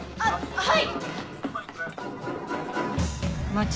はい。